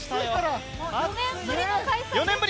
４年ぶりの開催です。